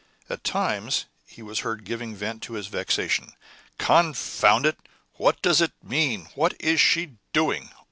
At times he was heard giving vent to his vexation. "Confound it! what does it mean? what is she doing?